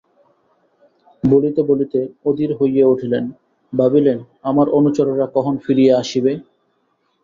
বলিতে বলিতে অধীর হইয়া উঠিলেন, ভাবিলেন– আমার অনুচরেরা কখন ফিরিয়া আসিবে?